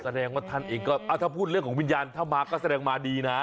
แสดงว่าท่านเองก็ถ้าพูดเรื่องของวิญญาณถ้ามาก็แสดงมาดีนะ